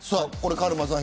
カルマさん